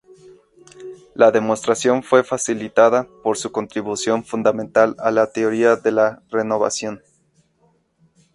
La demostración fue facilitada por su contribución fundamental a la teoría de la renovación.